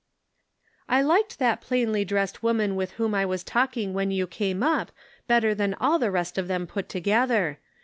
" I liked that plainly dressed woman with whom I was talking when you came up better than all the rest of them put together.